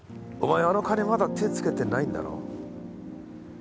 お前あの金まだ手ぇつけてないんだろ？